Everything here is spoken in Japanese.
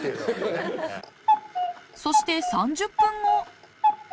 そして３０分後。